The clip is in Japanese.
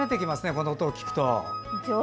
この音を聞くと。